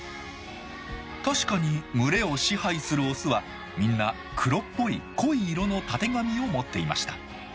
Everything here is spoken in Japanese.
確かに群れを支配するオスはみんな黒っぽい濃い色のたてがみを持っていました。